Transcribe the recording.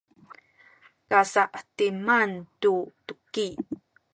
kasa’timan tu tuki